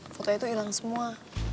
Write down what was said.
foto itu hilang semua